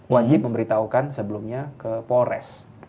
wajib memberitahukan sebelumnya ke polres